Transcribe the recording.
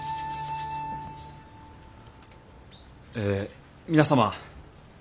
え皆様。